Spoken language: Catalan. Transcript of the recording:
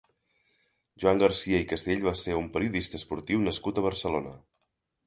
Joan Garcia i Castell va ser un periodista esportiu nascut a Barcelona.